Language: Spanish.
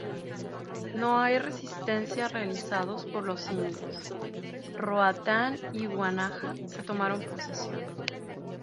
No hay resistencia realizados por los indios, Roatán y Guanaja se tomaron posesión.